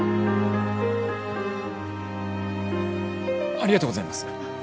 ありがとうございます。